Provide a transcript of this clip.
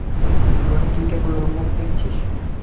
রনি, তুই কেবল ওর মুখ দেখছিস।